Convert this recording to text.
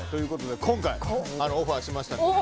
今回、オファーしましたので。